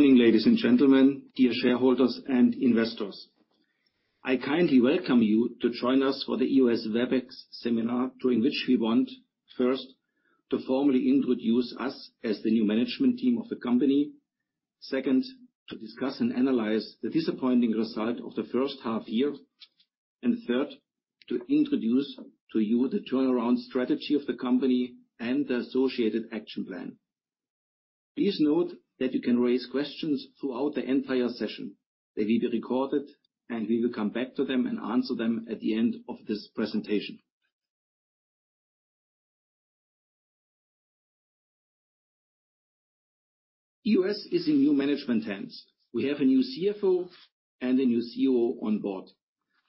Morning, ladies and gentlemen, dear shareholders and investors. I kindly welcome you to join us for the EOS Webex seminar, during which we want, first, to formally introduce us as the new management team of the company. Second, to discuss and analyze the disappointing result of the first half year. Third, to introduce to you the turnaround strategy of the company and the associated action plan. Please note that you can raise questions throughout the entire session. They will be recorded, and we will come back to them and answer them at the end of this presentation. EOS is in new management hands. We have a new CFO and a new CEO on board.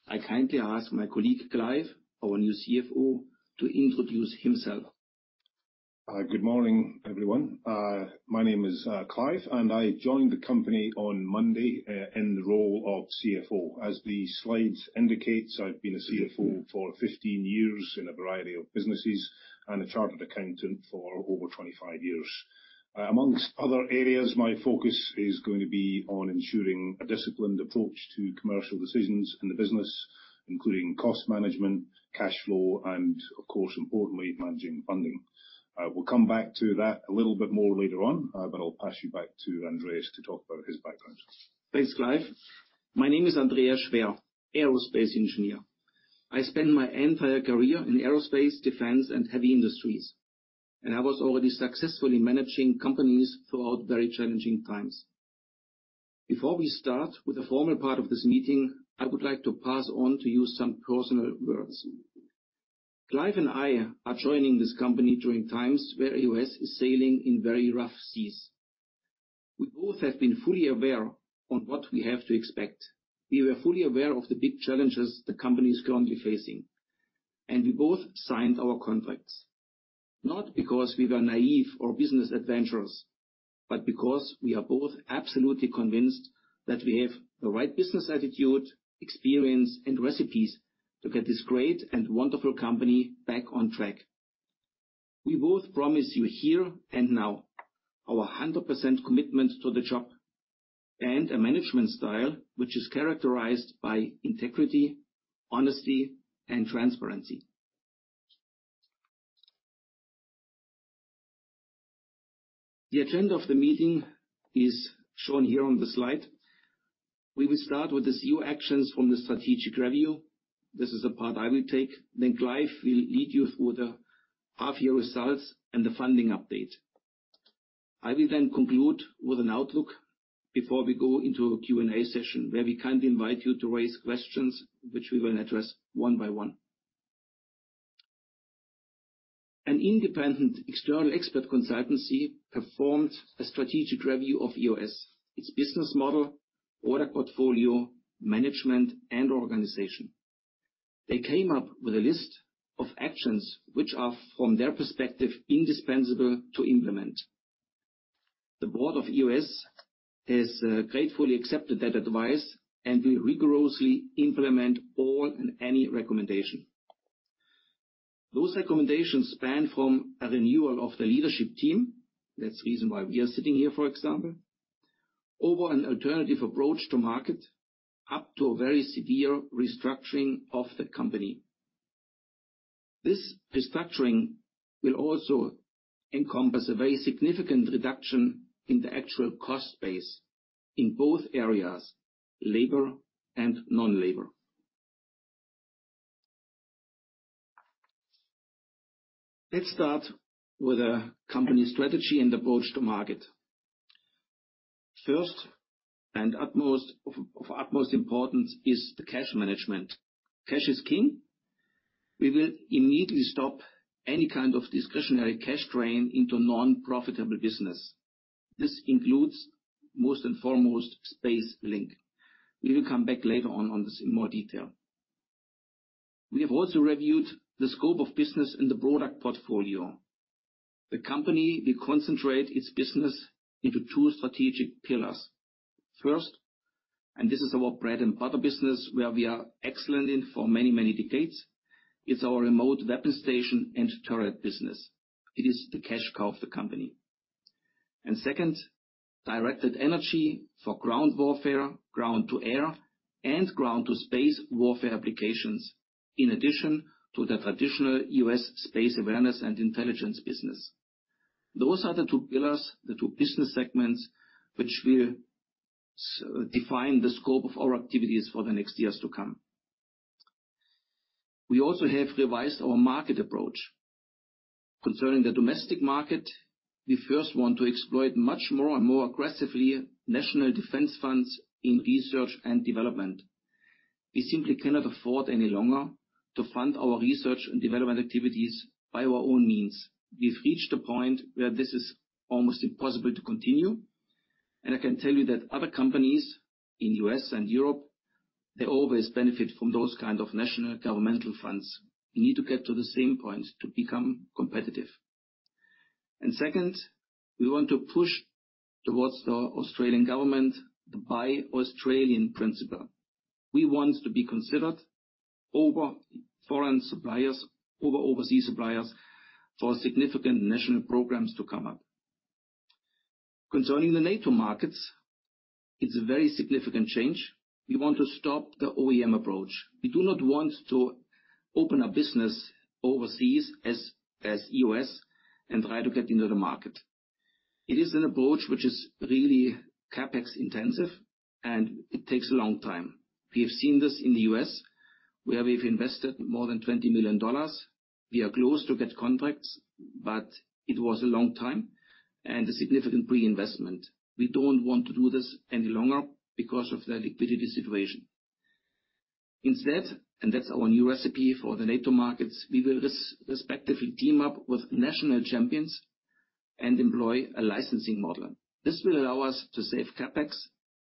I kindly ask my colleague, Clive, our new CFO, to introduce himself. Good morning, everyone. My name is Clive, and I joined the company on Monday in the role of CFO. As the slides indicates, I've been a CFO for 15 years in a variety of businesses and a chartered accountant for over 25 years. Among other areas, my focus is going to be on ensuring a disciplined approach to commercial decisions in the business, including cost management, cash flow, and of course, importantly, managing funding. We'll come back to that a little bit more later on, but I'll pass you back to Andreas to talk about his background. Thanks, Clive. My name is Andreas Schwer, aerospace engineer. I spent my entire career in aerospace, defense, and heavy industries, and I was already successfully managing companies throughout very challenging times. Before we start with the formal part of this meeting, I would like to pass on to you some personal words. Clive and I are joining this company during times where EOS is sailing in very rough seas. We both have been fully aware on what we have to expect. We were fully aware of the big challenges the company is currently facing. We both signed our contracts not because we were naive or business adventurers, but because we are both absolutely convinced that we have the right business attitude, experience, and recipes to get this great and wonderful company back on track. We both promise you here and now our 100% commitment to the job and a management style which is characterized by integrity, honesty, and transparency. The agenda of the meeting is shown here on the slide. We will start with the CEO actions from the strategic review. This is the part I will take. Then Clive will lead you through the half year results and the funding update. I will then conclude with an outlook before we go into a Q&A session, where we kindly invite you to raise questions which we will address one by one. An independent external expert consultancy performed a strategic review of EOS, its business model, order portfolio, management, and organization. They came up with a list of actions which are, from their perspective, indispensable to implement. The board of EOS has gratefully accepted that advice and will rigorously implement all and any recommendation. Those recommendations span from a renewal of the leadership team, that's the reason why we are sitting here, for example, to an alternative approach to market, up to a very severe restructuring of the company. This restructuring will also encompass a very significant reduction in the actual cost base in both areas, labor and non-labor. Let's start with the company strategy and approach to market. First, of utmost importance is the cash management. Cash is king. We will immediately stop any kind of discretionary cash drain into non-profitable business. This includes, foremost, SpaceLink. We will come back later on this in more detail. We have also reviewed the scope of business in the product portfolio. The company will concentrate its business into two strategic pillars. First, this is our bread and butter business where we are excellent in for many, many decades, is our remote weapon station and turret business. It is the cash cow of the company. Second, directed energy for ground warfare, ground to air, and ground to space warfare applications, in addition to the traditional EOS space awareness and intelligence business. Those are the two pillars, the two business segments, which will define the scope of our activities for the next years to come. We also have revised our market approach. Concerning the domestic market, we first want to exploit much more and more aggressively national defense funds in research and development. We simply cannot afford any longer to fund our research and development activities by our own means. We've reached a point where this is almost impossible to continue, and I can tell you that other companies in U.S. and Europe, they always benefit from those kind of national governmental funds. We need to get to the same point to become competitive. Second, we want to push towards the Australian government the Buy Australian Plan. We want to be considered over foreign suppliers, over overseas suppliers for significant national programs to come up. Concerning the NATO markets, it's a very significant change. We want to stop the OEM approach. We do not want to open a business overseas as EOS and try to get into the market. It is an approach which is really CapEx intensive, and it takes a long time. We have seen this in the U.S., where we've invested more than $20 million. We are close to get contracts, but it was a long time and a significant pre-investment. We don't want to do this any longer because of the liquidity situation. Instead, and that's our new recipe for the NATO markets, we will respectively team up with national champions and employ a licensing model. This will allow us to save CapEx,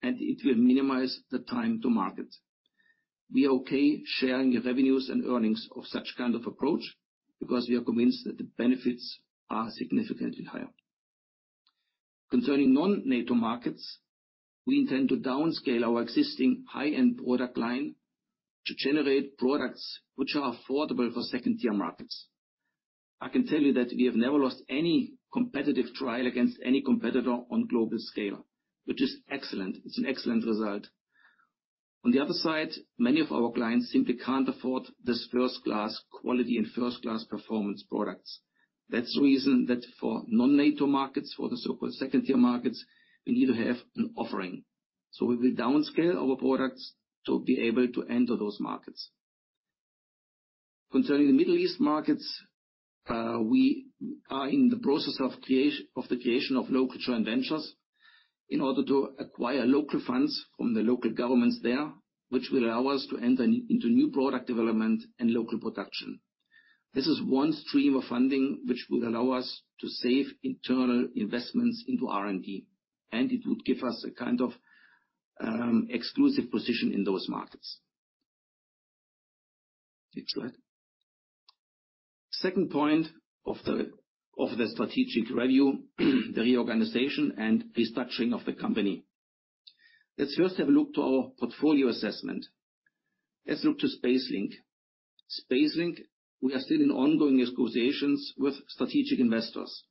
and it will minimize the time to market. We are okay sharing the revenues and earnings of such kind of approach because we are convinced that the benefits are significantly higher. Concerning non-NATO markets, we intend to downscale our existing high-end product line to generate products which are affordable for second-tier markets. I can tell you that we have never lost any competitive trial against any competitor on global scale, which is excellent. It's an excellent result. On the other side, many of our clients simply can't afford this first-class quality and first-class performance products. That's the reason that for non-NATO markets, for the so-called second-tier markets, we need to have an offering. We will downscale our products to be able to enter those markets. Concerning the Middle East markets, we are in the process of the creation of local joint ventures in order to acquire local funds from the local governments there, which will allow us to enter into new product development and local production. This is one stream of funding which would allow us to save internal investments into R&D, and it would give us a kind of exclusive position in those markets. Next slide. Second point of the strategic review, the reorganization and restructuring of the company. Let's first have a look to our portfolio assessment. Let's look to SpaceLink. SpaceLink, we are still in ongoing negotiations with strategic investors.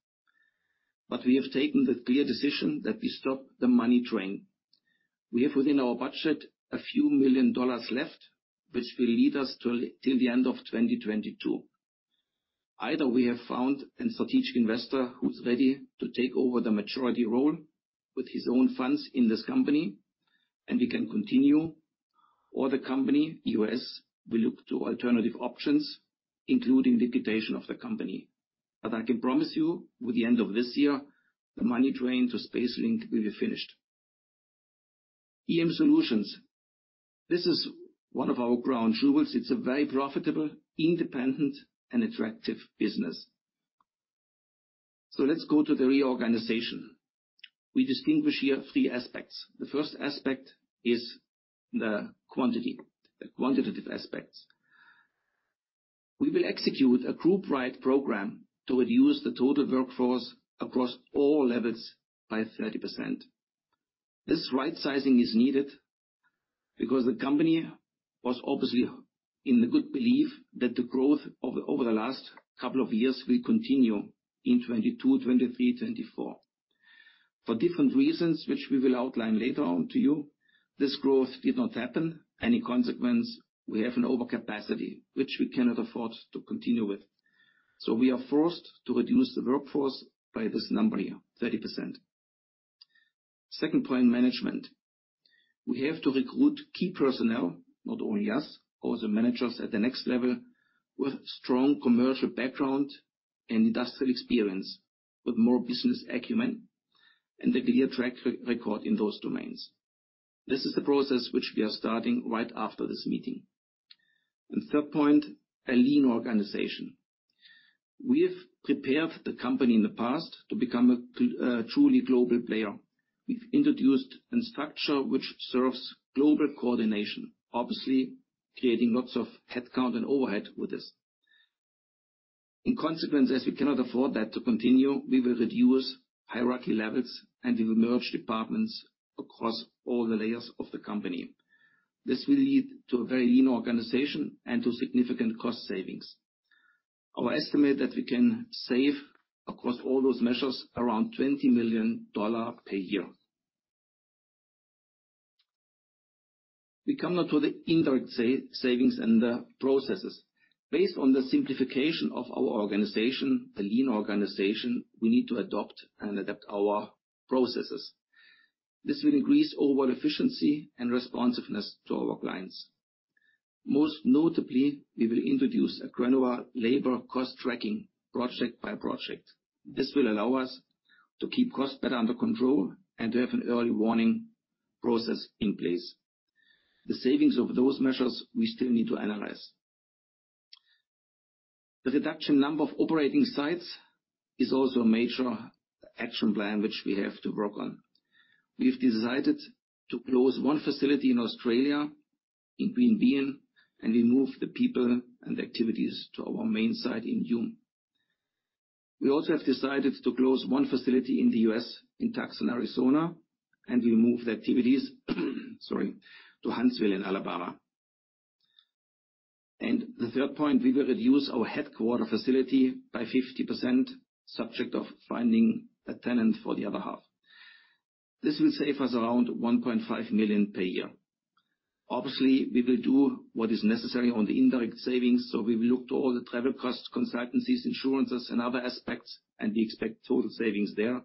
We have taken the clear decision that we stop the money drain. We have, within our budget, AUD a few million left, which will last us till the end of 2022. Either we have found a strategic investor who's ready to take over the majority role with his own funds in this company, and we can continue, or the company, EOS, will look to alternative options, including liquidation of the company. I can promise you, by the end of this year, the money drain to SpaceLink will be finished. EM Solutions. This is one of our crown jewels. It's a very profitable, independent, and attractive business. Let's go to the reorganization. We distinguish here three aspects. The first aspect is the quantity, the quantitative aspects. We will execute a group-wide program to reduce the total workforce across all levels by 30%. This right-sizing is needed because the company was obviously in the good belief that the growth over the last couple of years will continue in 2022, 2023, 2024. For different reasons, which we will outline later on to you, this growth did not happen. In consequence, we have an overcapacity, which we cannot afford to continue with. We are forced to reduce the workforce by this number here, 30%. Second point, management. We have to recruit key personnel, not only us, or the managers at the next level, with strong commercial background and industrial experience, with more business acumen and a clear track record in those domains. This is a process which we are starting right after this meeting. Third point, a lean organization. We have prepared the company in the past to become a truly global player. We've introduced a structure which serves global coordination, obviously creating lots of headcount and overhead with this. In consequence, as we cannot afford that to continue, we will reduce hierarchy levels, and we will merge departments across all the layers of the company. This will lead to a very lean organization and to significant cost savings. Our estimate that we can save across all those measures around 20 million dollar per year. We come now to the indirect savings and the processes. Based on the simplification of our organization, the lean organization, we need to adopt and adapt our processes. This will increase overall efficiency and responsiveness to our clients. Most notably, we will introduce a granular labor cost tracking project by project. This will allow us to keep costs better under control and to have an early warning process in place. The savings from those measures we still need to analyze. The reduction in number of operating sites is also a major action plan which we have to work on. We've decided to close one facility in Australia in Greenvale, and we move the people and activities to our main site in Hume. We also have decided to close one facility in the U.S., in Tucson, Arizona, and we move the activities to Huntsville in Alabama. The third point, we will reduce our headquarters facility by 50% subject to finding a tenant for the other half. This will save us around 1.5 million per year. Obviously, we will do what is necessary on the indirect savings, so we will look to all the travel costs, consultancies, insurances and other aspects, and we expect total savings there,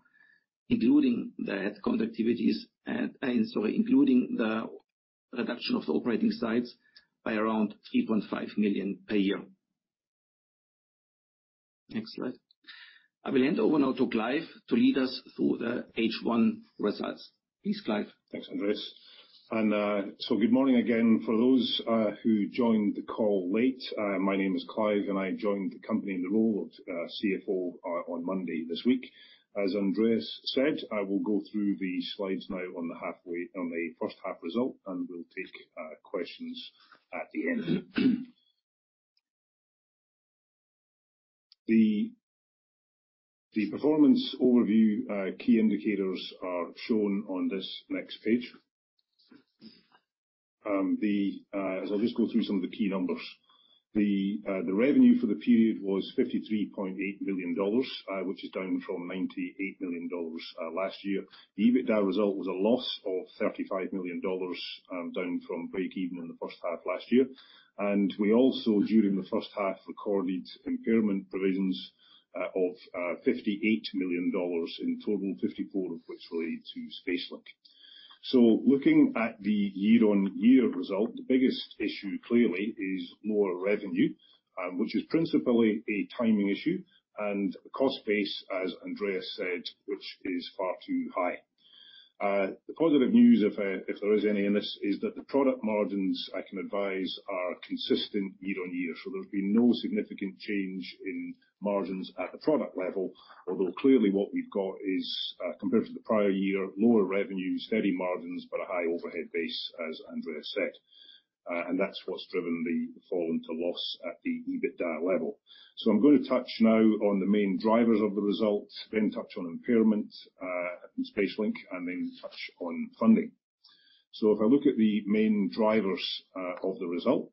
including the head count activities and the reduction of the operating sites by around 3.5 million per year. Next slide. I will hand over now to Clive to lead us through the H1 results. Please, Clive. Thanks, Andreas. Good morning again. For those who joined the call late, my name is Clive, and I joined the company in the role of CFO on Monday this week. As Andreas said, I will go through the slides now on the first half result, and we'll take questions at the end. The performance overview, key indicators are shown on this next page. I'll just go through some of the key numbers. The revenue for the period was AUD 53.8 million, which is down from AUD 98 million last year. EBITDA result was a loss of AUD 35 million, down from breakeven in the first half last year. We also, during the first half, recorded impairment provisions of 58 million dollars in total, 54 million of which relate to SpaceLink. Looking at the year-on-year result, the biggest issue clearly is lower revenue, which is principally a timing issue and cost base, as Andreas said, which is far too high. The positive news, if there is any in this, is that the product margins, I can advise, are consistent year-on-year. There's been no significant change in margins at the product level, although clearly what we've got is, compared to the prior year, lower revenues, steady margins, but a high overhead base, as Andreas said. That's what's driven the fall into loss at the EBITDA level. I'm gonna touch now on the main drivers of the result, then touch on impairment, and SpaceLink, and then touch on funding. If I look at the main drivers of the result,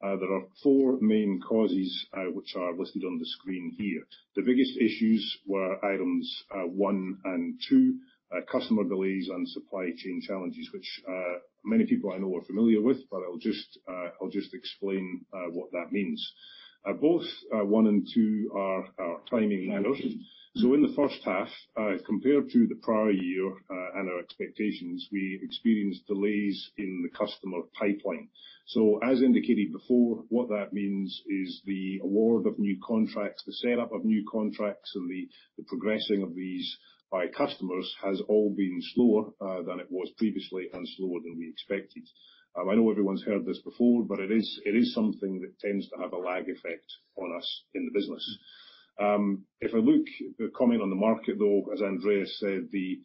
there are four main causes, which are listed on the screen here. The biggest issues were items one and two, customer delays and supply chain challenges, which many people I know are familiar with, but I'll just explain what that means. Both one and two are timing matters. In the first half, compared to the prior year and our expectations, we experienced delays in the customer pipeline. As indicated before, what that means is the award of new contracts, the setup of new contracts, and the progressing of these by customers has all been slower than it was previously and slower than we expected. I know everyone's heard this before, but it is something that tends to have a lag effect on us in the business. Comment on the market, though, as Andreas said, the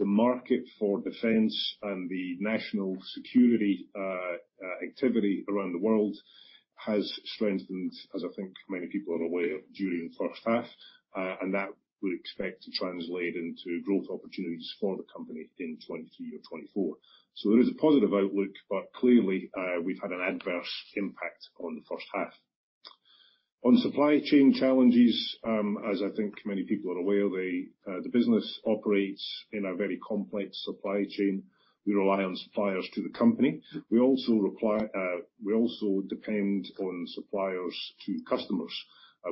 market for defense and the national security activity around the world has strengthened, as I think many people are aware, during the first half, and that we expect to translate into growth opportunities for the company in 2023 or 2024. There is a positive outlook, but clearly, we've had an adverse impact on the first half. On supply chain challenges, as I think many people are aware, the business operates in a very complex supply chain. We rely on suppliers to the company. We also depend on suppliers to customers.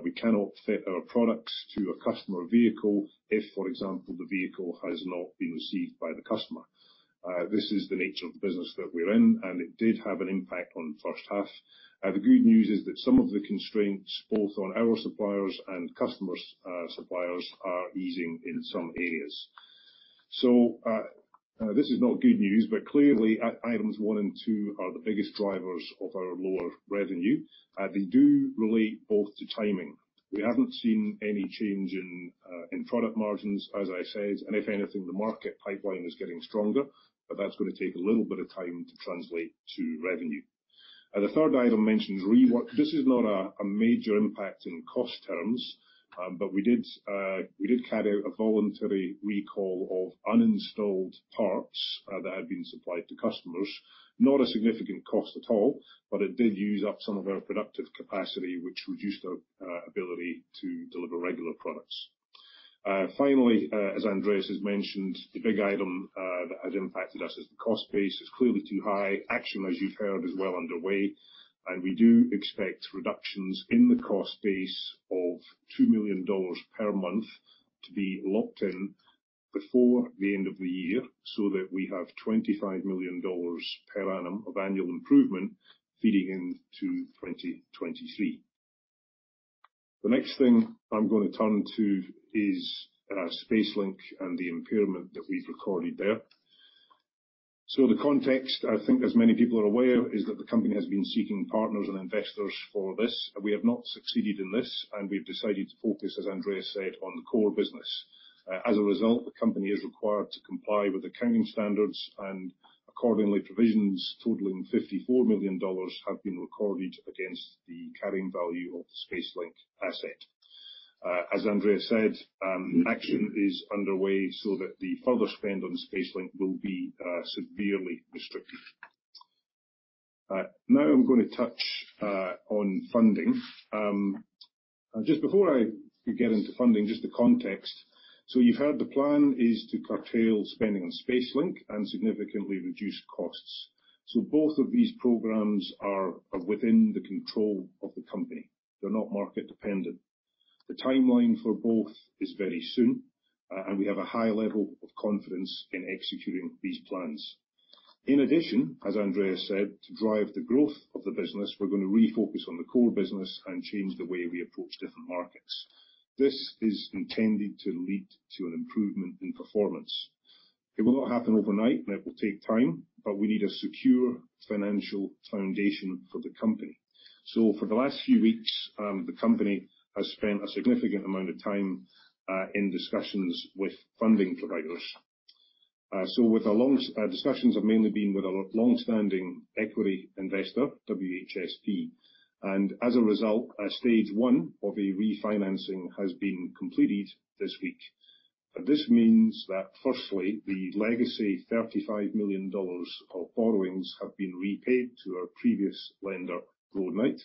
We cannot fit our products to a customer vehicle if, for example, the vehicle has not been received by the customer. This is the nature of the business that we're in, and it did have an impact on first half. The good news is that some of the constraints, both on our suppliers and customers' suppliers, are easing in some areas. This is not good news, but clearly items one and two are the biggest drivers of our lower revenue. They do relate both to timing. We haven't seen any change in product margins, as I said, and if anything, the market pipeline is getting stronger, but that's gonna take a little bit of time to translate to revenue. The third item mentions rework. This is not a major impact in cost terms, but we did carry out a voluntary recall of uninstalled parts that had been supplied to customers. Not a significant cost at all, but it did use up some of our productive capacity, which reduced our ability to deliver regular products. Finally, as Andreas has mentioned, the big item that has impacted us is the cost base clearly too high. Action, as you've heard, is well underway, and we do expect reductions in the cost base of 2 million dollars per month to be locked in before the end of the year, so that we have 25 million dollars per annum of annual improvement feeding into 2023. The next thing I'm gonna turn to is, SpaceLink and the impairment that we've recorded there. The context, I think as many people are aware, is that the company has been seeking partners and investors for this. We have not succeeded in this, and we've decided to focus, as Andreas said, on the core business. As a result, the company is required to comply with accounting standards, and accordingly, provisions totaling 54 million dollars have been recorded against the carrying value of the SpaceLink asset. As Andreas said, action is underway so that the further spend on SpaceLink will be severely restricted. Now I'm gonna touch on funding. Just before I get into funding, just the context. You've heard the plan is to curtail spending on SpaceLink and significantly reduce costs. Both of these programs are within the control of the company. They're not market-dependent. The timeline for both is very soon, and we have a high level of confidence in executing these plans. In addition, as Andreas said, to drive the growth of the business, we're gonna refocus on the core business and change the way we approach different markets. This is intended to lead to an improvement in performance. It will not happen overnight, and it will take time, but we need a secure financial foundation for the company. For the last few weeks, the company has spent a significant amount of time in discussions with funding providers. Discussions have mainly been with a long-standing equity investor, WHSP, and as a result, stage one of a refinancing has been completed this week. This means that, firstly, the legacy $35 million of borrowings have been repaid to our previous lender, Roadknight,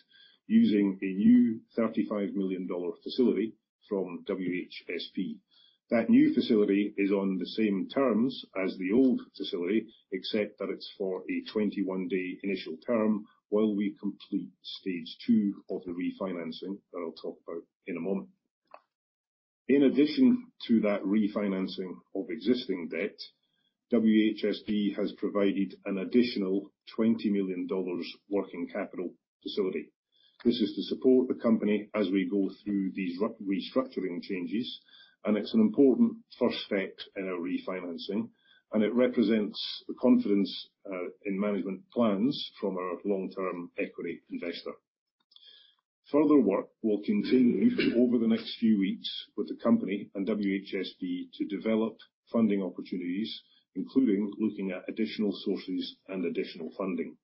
using a new $35 million facility from WHSP. That new facility is on the same terms as the old facility, except that it's for a 21-day initial term while we complete stage two of the refinancing that I'll talk about in a moment. In addition to that refinancing of existing debt, WHSP has provided an additional $20 million working capital facility. This is to support the company as we go through these restructuring changes, and it's an important first step in our refinancing, and it represents the confidence in management plans from our long-term equity investor. Further work will continue over the next few weeks with the company and WHSP to develop funding opportunities, including looking at additional sources and additional funding.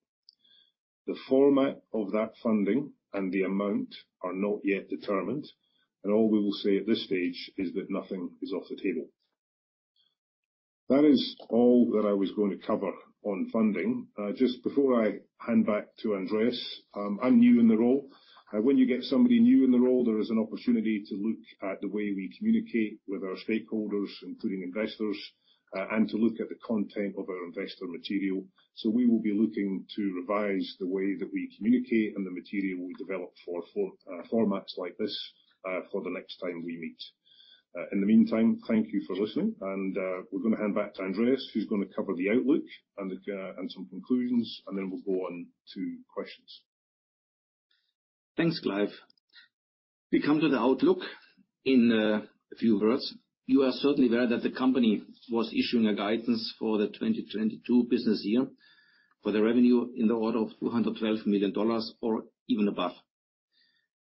The format of that funding and the amount are not yet determined, and all we will say at this stage is that nothing is off the table. That is all that I was going to cover on funding. Just before I hand back to Andreas, I'm new in the role. When you get somebody new in the role, there is an opportunity to look at the way we communicate with our stakeholders, including investors, and to look at the content of our investor material. We will be looking to revise the way that we communicate and the material we develop for formats like this, for the next time we meet. In the meantime, thank you for listening and, we're gonna hand back to Andreas, who's gonna cover the outlook and the, and some conclusions, and then we'll go on to questions. Thanks, Clive. We come to the outlook in a few words. You are certainly aware that the company was issuing a guidance for the 2022 business year for the revenue in the order of 212 million dollars or even above.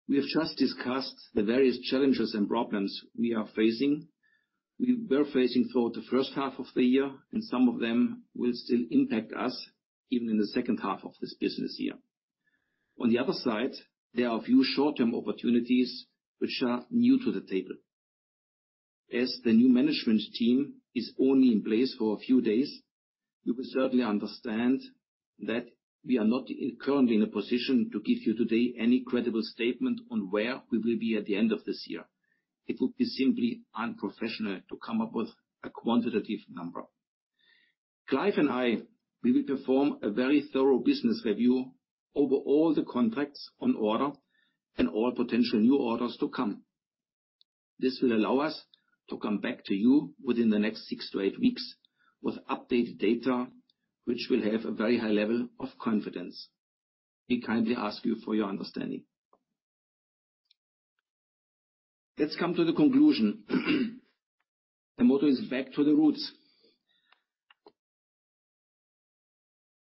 We have just discussed the various challenges and problems we are facing. We were facing through the first half of the year, and some of them will still impact us even in the second half of this business year. On the other side, there are a few short-term opportunities which are new to the table. As the new management team is only in place for a few days, you will certainly understand that we are not currently in a position to give you today any credible statement on where we will be at the end of this year. It would be simply unprofessional to come up with a quantitative number. Clive and I, we will perform a very thorough business review over all the contracts on order and all potential new orders to come. This will allow us to come back to you within the next 6-8 weeks with updated data, which will have a very high level of confidence. We kindly ask you for your understanding. Let's come to the conclusion. The motto is back to the roots.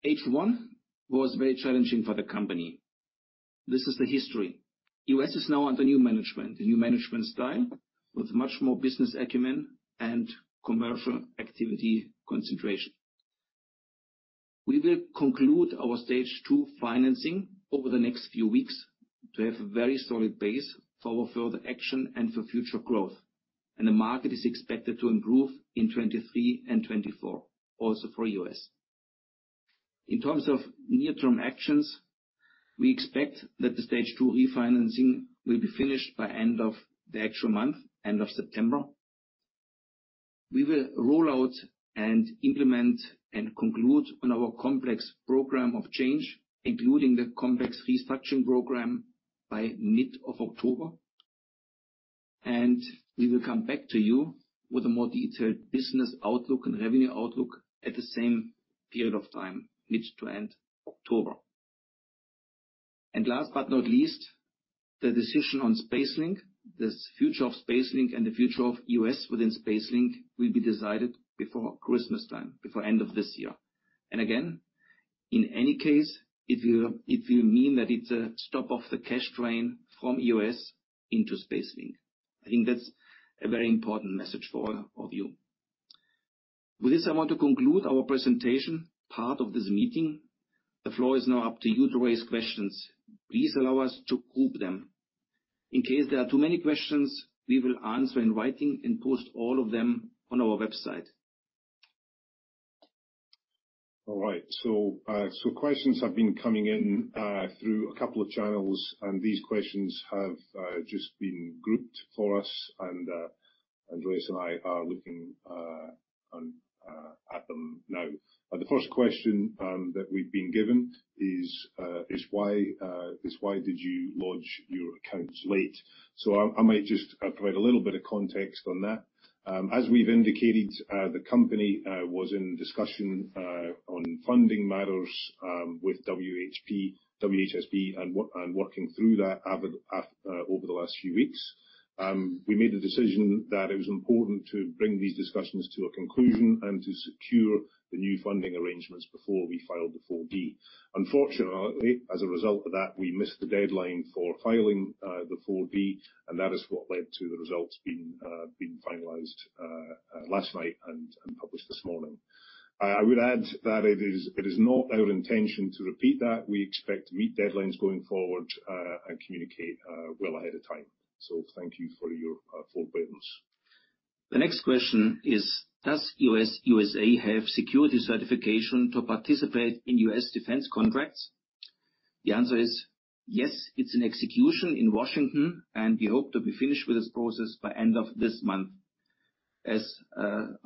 H1 was very challenging for the company. This is the history. U.S. is now under new management, a new management style with much more business acumen and commercial activity concentration. We will conclude our stage two financing over the next few weeks to have a very solid base for further action and for future growth, and the market is expected to improve in 2023 and 2024, also for the U.S. In terms of near-term actions, we expect that the stage two refinancing will be finished by end of the actual month, end of September. We will roll out and implement and conclude on our complex program of change, including the complex restructuring program by mid of October, and we will come back to you with a more detailed business outlook and revenue outlook at the same period of time, mid to end October. Last but not least, the decision on SpaceLink, the future of SpaceLink and the future of EOS within SpaceLink will be decided before Christmas time, before end of this year. Again, in any case, if you mean that it's a stop of the cash drain from EOS into SpaceLink, I think that's a very important message for all of you. With this, I want to conclude our presentation part of this meeting. The floor is now up to you to raise questions. Please allow us to group them. In case there are too many questions, we will answer in writing and post all of them on our website. All right. Questions have been coming in through a couple of channels, and these questions have just been grouped for us and, Andreas and I are looking at them now. The first question that we've been given is why did you lodge your accounts late? I might just provide a little bit of context on that. As we've indicated, the company was in discussion on funding matters with WHSP and working through that over the last few weeks. We made the decision that it was important to bring these discussions to a conclusion and to secure the new funding arrangements before we filed the 4D. Unfortunately, as a result of that, we missed the deadline for filing the 4D, and that is what led to the results being finalized last night and published this morning. I would add that it is not our intention to repeat that. We expect to meet deadlines going forward and communicate well ahead of time. Thank you for your forbearance. The next question is, does EOS USA have security certification to participate in U.S. defense contracts? The answer is yes. It's in execution in Washington, and we hope to be finished with this process by end of this month. As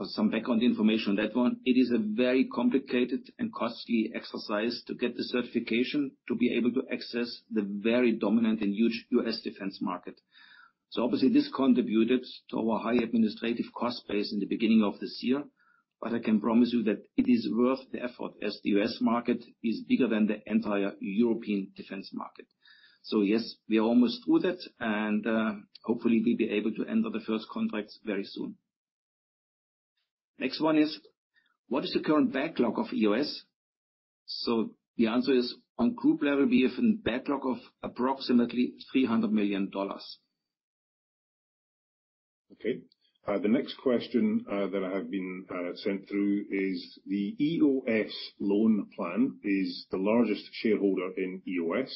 some background information on that one, it is a very complicated and costly exercise to get the certification to be able to access the very dominant and huge U.S. defense market. Obviously this contributed to our high administrative cost base in the beginning of this year, but I can promise you that it is worth the effort as the U.S. market is bigger than the entire European defense market. Yes, we are almost through that and hopefully we'll be able to enter the first contracts very soon. Next one is, what is the current backlog of EOS? The answer is, on group level we have a backlog of approximately 300 million dollars. Okay. The next question that I have been sent through is, the EOS Loan Plan is the largest shareholder in EOS,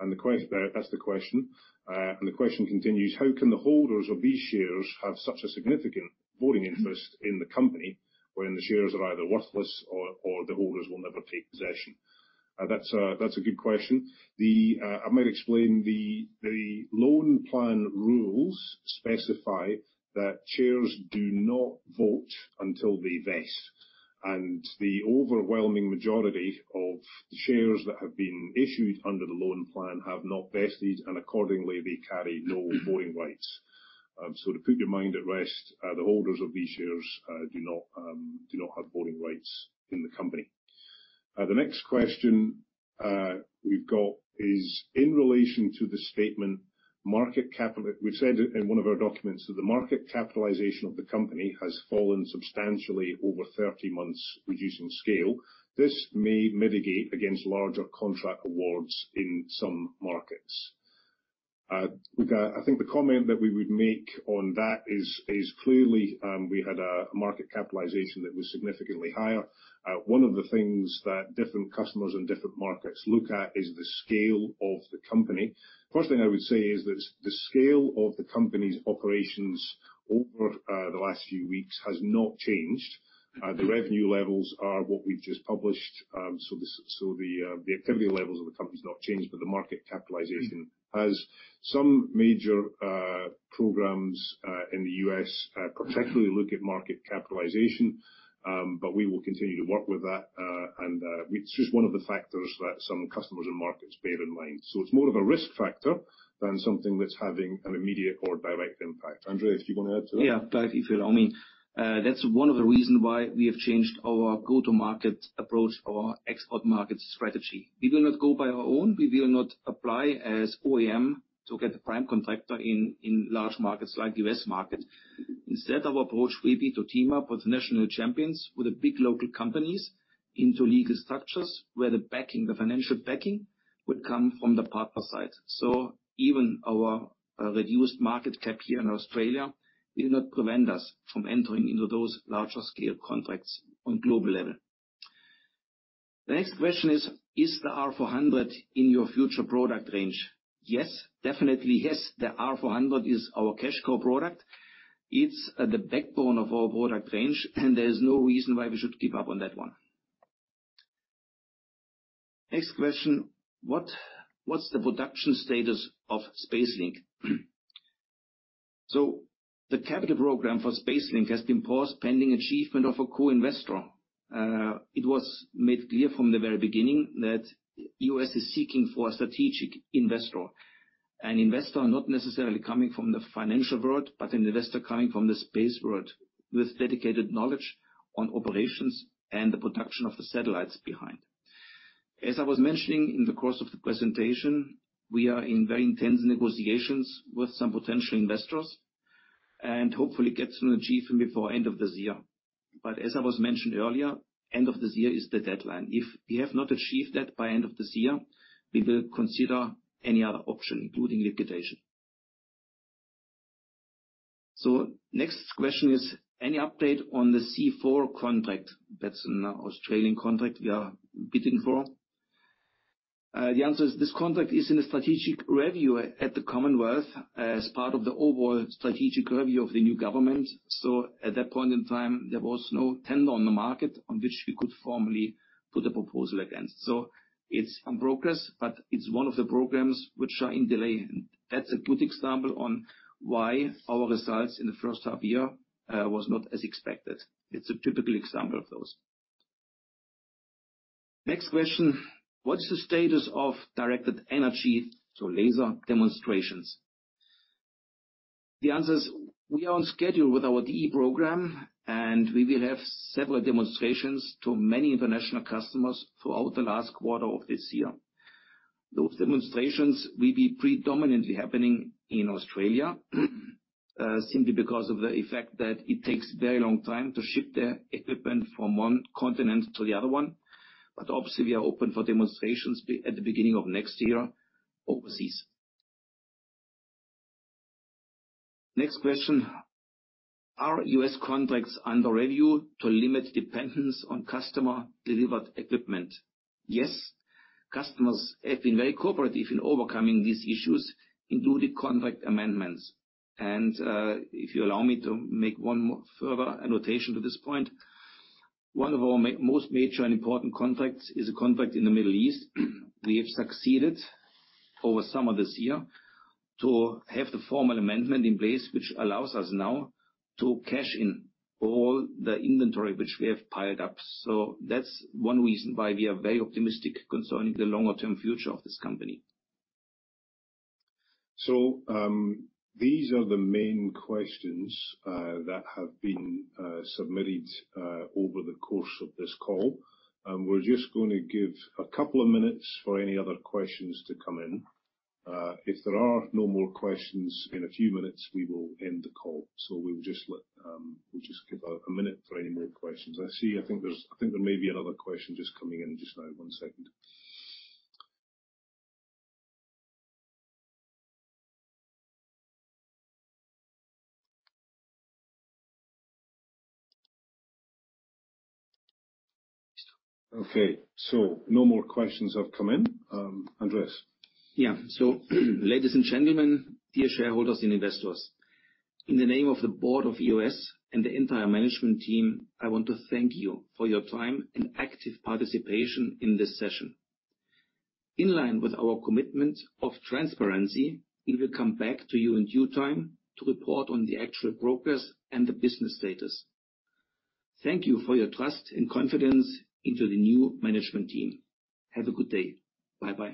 and that's the question. The question continues, how can the holders of these shares have such a significant voting interest in the company when the shares are either worthless or the holders will never take possession? That's a good question. I might explain, the EOS Loan Plan rules specify that shares do not vote until they vest. The overwhelming majority of shares that have been issued under the EOS Loan Plan have not vested, and accordingly, they carry no voting rights. To put your mind at rest, the holders of these shares do not have voting rights in the company. The next question we've got is in relation to the statement. We've said it in one of our documents, that the market capitalization of the company has fallen substantially over 13 months, reducing scale. This may mitigate against larger contract awards in some markets. I think the comment that we would make on that is clearly we had a market capitalization that was significantly higher. One of the things that different customers in different markets look at is the scale of the company. First thing I would say is that the scale of the company's operations over the last few weeks has not changed. The revenue levels are what we've just published. The activity levels of the company's not changed, but the market capitalization has. Some major programs in the U.S. particularly look at market capitalization, but we will continue to work with that. It's just one of the factors that some customers and markets bear in mind. It's more of a risk factor than something that's having an immediate or a direct impact. Andreas, do you wanna add to that? Yeah. By all means. That's one of the reason why we have changed our go-to-market approach, our export market strategy. We will not go on our own. We will not apply as OEM to get a prime contractor in large markets like U.S. market. Instead, our approach will be to team up with national champions, with the big local companies into legal structures where the backing, the financial backing would come from the partner side. Even our reduced market cap here in Australia will not prevent us from entering into those larger scale contracts on global level. The next question is the R400 in your future product range? Yes, definitely yes. The R400 is our cash cow product. It's the backbone of our product range and there's no reason why we should give up on that one. Next question. What's the production status of SpaceLink? The capital program for SpaceLink has been paused pending achievement of a co-investor. It was made clear from the very beginning that EOS is seeking for a strategic investor. An investor not necessarily coming from the financial world, but an investor coming from the space world with dedicated knowledge on operations and the production of the satellites behind. As I was mentioning in the course of the presentation, we are in very intense negotiations with some potential investors, and hopefully get some achievement before end of this year. As I mentioned earlier, end of this year is the deadline. If we have not achieved that by end of this year, we will consider any other option, including liquidation. Next question is, any update on the C4 cntract? That'so an Australian contract we are bidding for. The answer is, this contract is in a strategic review at the Commonwealth as part of the overall strategic review of the new government. At that point in time, there was no tender on the market on which we could formally put a proposal against. It's in progress, but it's one of the programs which are in delay. That's a good example of why our results in the first half year was not as expected. It's a typical example of those. Next question: What's the status of directed energy to laser demonstrations? The answer is, we are on schedule with our DE program, and we will have several demonstrations to many international customers throughout the last quarter of this year. Those demonstrations will be predominantly happening in Australia, simply because of the effect that it takes a very long time to ship the equipment from one continent to the other one. Obviously, we are open for demonstrations at the beginning of next year overseas. Next question: Are U.S. contracts under review to limit dependence on customer-delivered equipment? Yes. Customers have been very cooperative in overcoming these issues, including contract amendments. If you allow me to make one more further annotation to this point, one of our most major and important contracts is a contract in the Middle East. We have succeeded over summer this year to have the formal amendment in place, which allows us now to cash in all the inventory which we have piled up. That's one reason why we are very optimistic concerning the longer-term future of this company. These are the main questions that have been submitted over the course of this call. We're just gonna give a couple of minutes for any other questions to come in. If there are no more questions in a few minutes, we will end the call. We'll just give a minute for any more questions. I see, I think there may be another question just coming in just now. One second. Okay. No more questions have come in. Andreas? Ladies and gentlemen, dear shareholders and investors, in the name of the board of EOS and the entire management team, I want to thank you for your time and active participation in this session. In line with our commitment of transparency, we will come back to you in due time to report on the actual progress and the business status. Thank you for your trust and confidence into the new management team. Have a good day. Bye-bye.